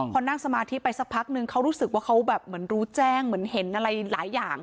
พอนั่งสมาธิไปสักพักนึงเขารู้สึกว่าเขาแบบเหมือนรู้แจ้งเหมือนเห็นอะไรหลายอย่าง